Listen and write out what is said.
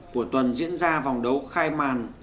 của tuần diễn ra vòng đấu khai màn